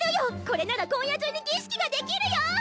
これなら今夜中に儀式ができるよー！